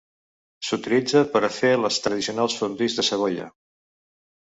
S'utilitza per a fer les tradicionals fondues de Savoia.